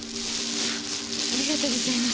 ありがとうございます。